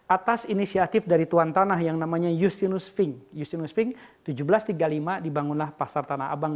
atas inisiatif dari tuan tanah yang namanya justinus fink justinus pink seribu tujuh ratus tiga puluh lima dibangunlah pasar tanah abang